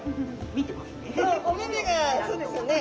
見てますね。